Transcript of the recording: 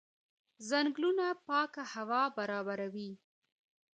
ځنګلونه پاکه هوا برابروي.